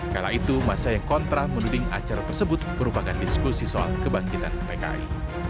kala itu masa yang kontra menuding acara tersebut merupakan diskusi soal kebangkitan pki